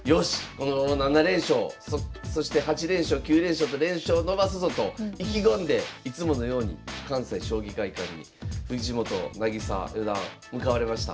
このまま７連勝そして８連勝９連勝と連勝をのばすぞと意気込んでいつものように関西将棋会館に藤本渚四段向かわれました。